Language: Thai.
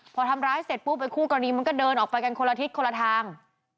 พอทำร้ายเสร็จปุ๊บไอ้คู่กรณีมันก็เดินออกไปกันคนละทิศคนละทาง